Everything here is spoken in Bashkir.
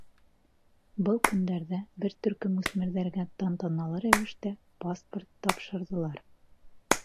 Был көндәрҙә бер төркөм үҫмерҙәргә тантаналы рәүештә паспорт тапшырҙылар.